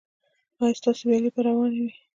ایا ستاسو ویالې به روانې وي؟